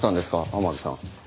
天樹さん。